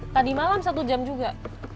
tadi malam satu jam juga